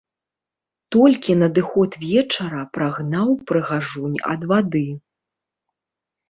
Толькі надыход вечара прагнаў прыгажунь ад вады.